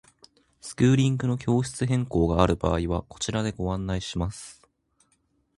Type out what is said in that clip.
スクーリングの教室変更がある場合はこちらでご案内します。